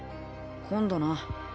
今度な。